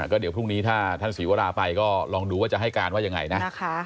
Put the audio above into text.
ก็เดี๋ยวพรุ่งนี้ถ้าท่านศรีวราไปก็ลองดูว่าจะให้การว่ายังไงนะ